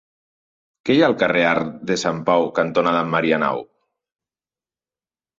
Què hi ha al carrer Arc de Sant Pau cantonada Marianao?